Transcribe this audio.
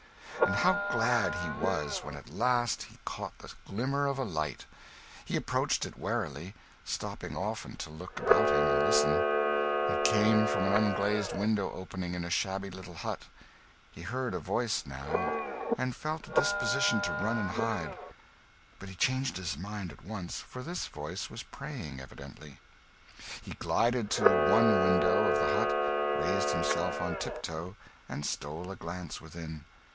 And how glad he was when at last he caught the glimmer of a light! He approached it warily, stopping often to look about him and listen. It came from an unglazed window opening in a shabby little hut. He heard a voice, now, and felt a disposition to run and hide; but he changed his mind at once, for this voice was praying, evidently. He glided to the one window of the hut, raised himself on tiptoe, and stole a glance within.